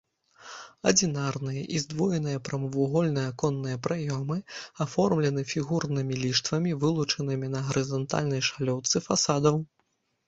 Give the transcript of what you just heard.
Адзінарныя і здвоеныя прамавугольныя аконныя праёмы аформлены фігурнымі ліштвамі, вылучанымі на гарызантальнай шалёўцы фасадаў.